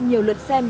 nhiều lượt xem